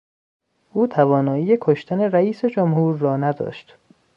او توانایی کشتن رییس جمهور را نداشت.